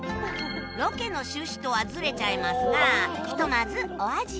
ロケの趣旨とはずれちゃいますがひとまずお味見